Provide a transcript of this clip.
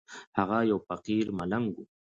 هغه يو فقير ملنگ و.